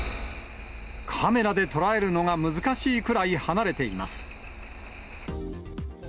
カメラで捉えるのが難しいくらい離れています。